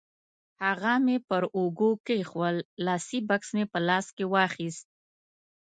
هغه مې پر اوږه کېښوول، لاسي بکس مې په لاس کې واخیست.